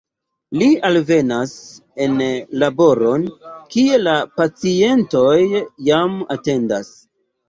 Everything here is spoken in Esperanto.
Li alvenas en laboron, kie la pacientoj jam atendas.